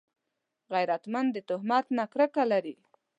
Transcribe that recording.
غیرتمند د تهمت نه کرکه لري